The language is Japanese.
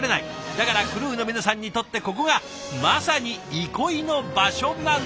だからクルーの皆さんにとってここがまさに憩いの場所なんです。